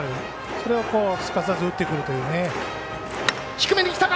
それをすかさず打ってくる。